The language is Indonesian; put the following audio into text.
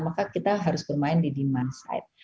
maka kita harus bermain di demand side